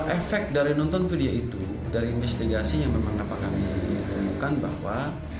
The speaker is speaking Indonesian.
efek dari nonton video itu dari investigasi yang memang dapat kami temukan bahwa